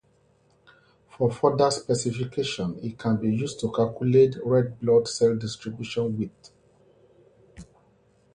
For further specification, it can be used to calculate red blood cell distribution width.